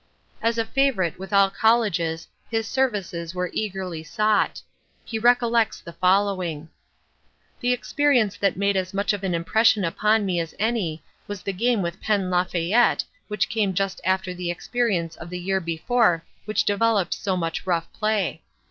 As a favorite with all colleges his services were eagerly sought. He recollects the following: "The experience that made as much of an impression upon me as any, was the game with Penn Lafayette which came just after the experience of the year before which developed so much rough play.